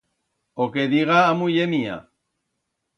O que diga a muller mía.